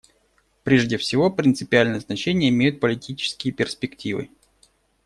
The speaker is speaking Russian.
Прежде всего принципиальное значение имеют политические перспективы.